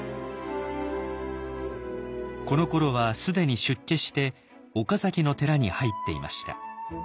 このころは既に出家して岡崎の寺に入っていました。